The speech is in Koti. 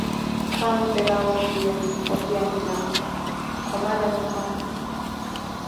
Ti anrutelaavo opiya opiya milako, khoomala nyupa mphu.